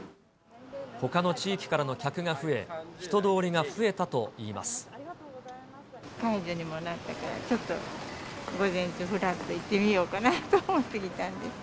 ほかの地域からの客が増え、解除にもなったから、ちょっと午前中、ふらっと行ってみようかなと思って来たんです。